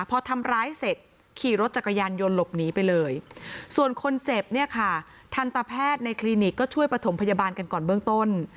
พอทำร้ายเสร็จขี่รถจักรยานยนต์หลบหนีไปเลยส่วนคนเจ็บเนี่ยค่ะทันตแพทย์ในคลินิกก็ช่วยประถมพยาบาลกันก่อนเบื้องต้น